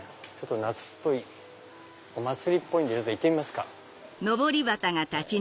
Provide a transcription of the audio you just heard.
夏っぽいお祭りっぽいんで行ってみますか。